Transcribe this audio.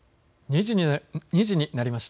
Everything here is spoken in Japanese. ２時になりました。